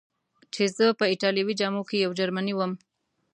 چې زه په ایټالوي جامو کې یو جرمنی ووم.